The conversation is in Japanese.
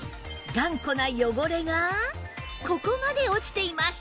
頑固な汚れがここまで落ちています！